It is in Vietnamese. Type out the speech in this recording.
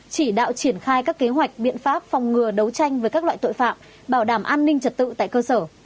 chỉ đạo triển khai các kế hoạch biện pháp phòng ngừa đấu tranh với các loại tội phạm bảo đảm an ninh trật tự tại cơ sở